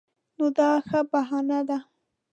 نو دا ښه بهانه ده.